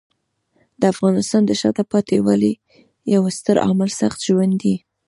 د افغانستان د شاته پاتې والي یو ستر عامل سخت ژوند دی.